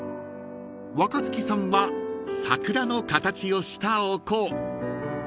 ［若槻さんは桜の形をしたお香］